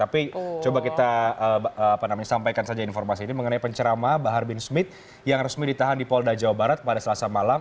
tapi coba kita sampaikan saja informasi ini mengenai pencerama bahar bin smith yang resmi ditahan di polda jawa barat pada selasa malam